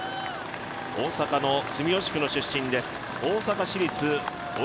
大阪の住吉区の出身です。